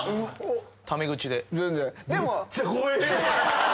・タメ口で。